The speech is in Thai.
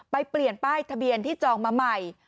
เปลี่ยนป้ายทะเบียนที่จองมาใหม่